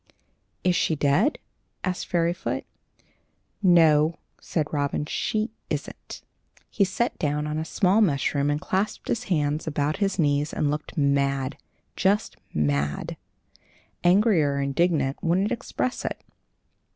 "Is she dead?" asked Fairyfoot. "No," said Robin; "she isn't." He sat down on a small mushroom and clasped his hands about his knees and looked mad just mad. Angry or indignant wouldn't express it.